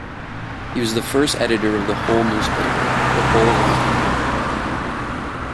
He was the first editor of a Hull newspaper, the "Hull Rockingham".